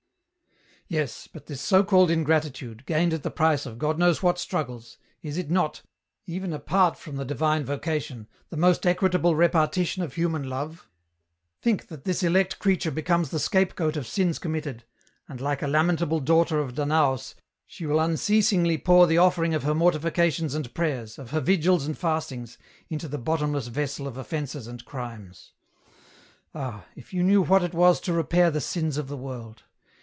" Yes, but this so called ingratitude, gained at the price of God knows what struggles, is it not, even apart from the divine vocation, the most equitable repartition of human love ? Think that this elect creature becomes the scapegoat of sins committed, and like a lamentable daughter of Danaus she will unceasingly pour the offering of her mortifications and prayers, of her vigils and fastings, into the bottomless vessel of offences and crimes. Ah ! if you knew what it was to repair the sins of the world.